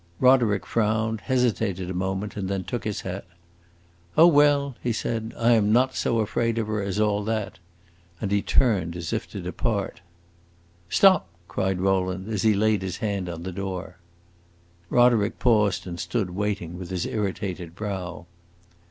Roderick frowned, hesitated a moment, and then took his hat. "Oh, well," he said, "I am not so afraid of her as all that!" And he turned, as if to depart. "Stop!" cried Rowland, as he laid his hand on the door. Roderick paused and stood waiting, with his irritated brow.